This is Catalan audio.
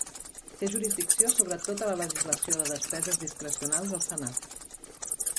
Té jurisdicció sobre tota la legislació de despeses discrecionals al Senat.